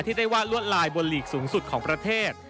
ที่ได้ว่าลวดลายบนหลีกสูงสุดของประเทศ